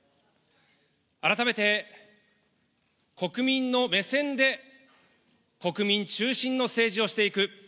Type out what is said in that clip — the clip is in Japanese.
改めて、国民の目線で国民中心の政治をしていく。